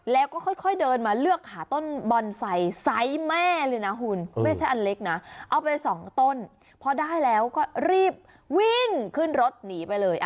แล้วก็ค่อยเดินมาเลือกขาต้นบอนไซค์ไซส์แม่เลยนะคุณไม่ใช่อันเล็กนะเอาไปสองต้นพอได้แล้วก็รีบวิ่งขึ้นรถหนีไปเลย